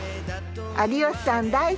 有吉さん大好きです。